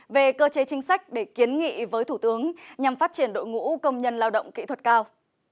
về cơ chế chính sách để kiến nghị với thủ tướng nhằm phát triển đội ngũ công nhân lao động kỹ thuật cao